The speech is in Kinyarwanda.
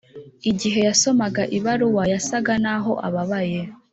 igihe yasomaga ibaruwa, yasaga naho ababaye.